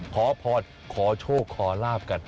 ขอพรขอโชคขอลาบกัน